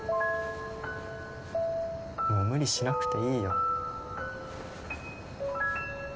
「もう無理しなくていいよ」